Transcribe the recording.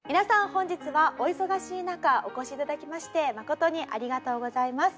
本日はお忙しい中お越しいただきまして誠にありがとうございます。